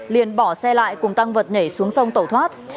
liền bỏ xe lại cùng tăng vật nhảy xuống sông tẩu thoát